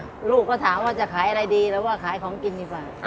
ลูกก็ถามว่าจะขายอะไรดีหรือว่าขายของกินดีกว่า